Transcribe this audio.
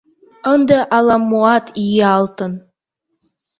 — Ынде ала-моат йӱалтын.